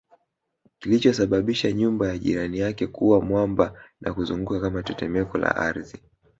kilichosababisha nyumba ya jirani yake kuwa mwamba na kuzunguka kama tetemeko la ardhi